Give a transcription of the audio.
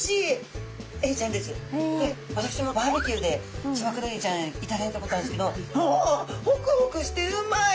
で私もバーベキューでツバクロエイちゃんいただいたことあるんですけど「おお！ほくほくしてうまい！」